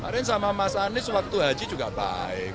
dan sama mas anies waktu haji juga baik